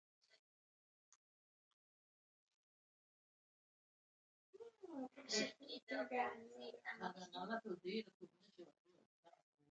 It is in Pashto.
په ازادي راډیو کې د د تګ راتګ ازادي اړوند معلومات ډېر وړاندې شوي.